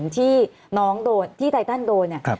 คำนี้อาการลิโกเชนะครับ